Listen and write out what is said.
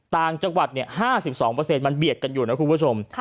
ต่างจังหวัด๕๒มันเบียดกันอยู่นะคุณผู้ชม